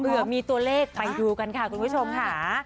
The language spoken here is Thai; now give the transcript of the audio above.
เผื่อมีตัวเลขไปดูกันค่ะคุณผู้ชมค่ะ